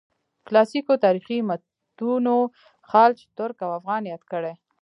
کلاسیکو تاریخي متونو خلج، ترک او افغان یاد کړي.